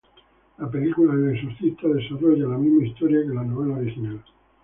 La película "El Exorcista" desarrolla la misma historia de la novela original.